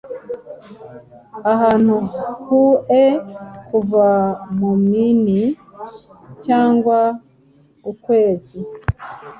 ahantu hoe kuva mumini cyangwa ukwezi